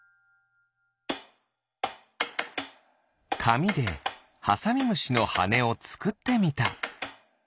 かみでハサミムシのはねをつくってみた。